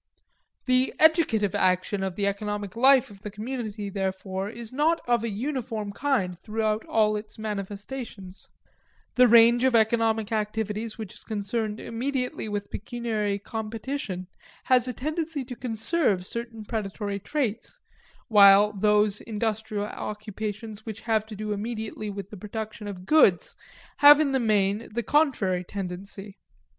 The educative action of the economic life of the community, therefore, is not of a uniform kind throughout all its manifestations. That range of economic activities which is concerned immediately with pecuniary competition has a tendency to conserve certain predatory traits; while those industrial occupations which have to do immediately with the production of goods have in the main the contrary tendency.